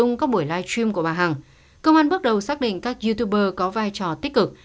trong các buổi live stream của bà hằng công an bước đầu xác định các youtuber có vai trò tích cực